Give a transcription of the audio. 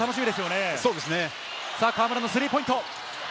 河村のスリーポイント。